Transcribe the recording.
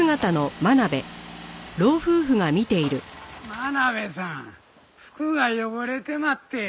真鍋さん服が汚れてまって。